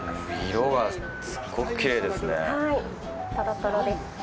色がすっごくきれいですねぇ。